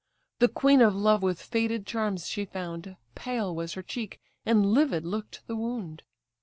The queen of love with faded charms she found. Pale was her cheek, and livid look'd the wound.